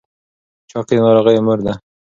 چاقي د ناروغیو مور ده.